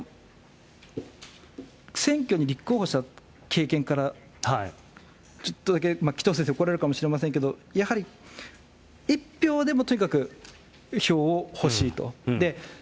選挙に立候補した経験から、ちょっとだけ、紀藤先生に怒られるかもしれませんけれども、やはり１票でも、とにかく票を欲しいと。